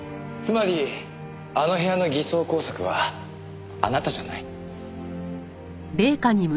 つまりあの部屋の偽装工作はあなたじゃない。